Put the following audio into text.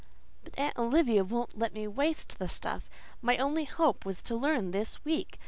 "But Aunt Olivia won't let me waste the stuff. My only hope was to learn this week.